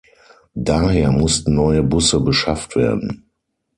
Daher mussten neue Busse beschafft werden.